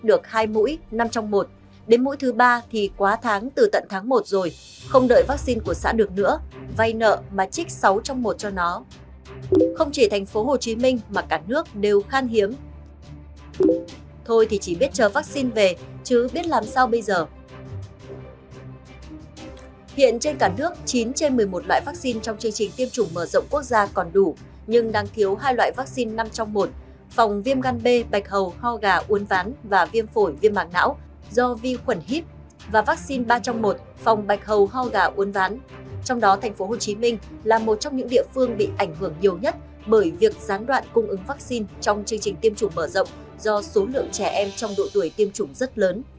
là một trong những địa phương bị ảnh hưởng nhiều nhất bởi việc gián đoạn cung ứng vaccine trong chương trình tiêm chủng mở rộng do số lượng trẻ em trong độ tuổi tiêm chủng rất lớn